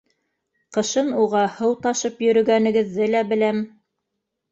Ҡышын уға һыу ташып йөрөгәнегеҙҙе лә беләм.